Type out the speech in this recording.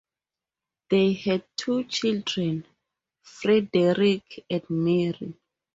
They had two children, Frederick and Mary.